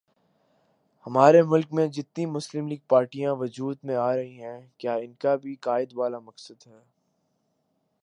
ہمارے ملک میں جتنی مسلم لیگ پارٹیاں وجود میں آرہی ہیں کیا انکا بھی قائد والا مقصد ہے